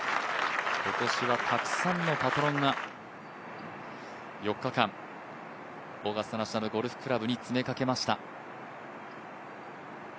今年はたくさんのパトロンが４日間オーガスタ・ナショナル・ゴルフクラブに詰めかけました。